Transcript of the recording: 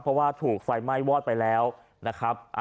เพราะว่าถูกไฟไหม้วอดไปแล้วนะครับ